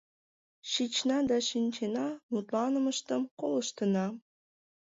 Шична да шинчена, мутланымыштым колыштына.